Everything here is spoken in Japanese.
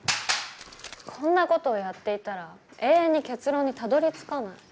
こんな事をやっていたら永遠に結論にたどりつかない。